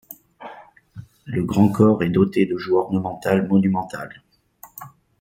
Le grand corps est doté de joues ornementales monumentales.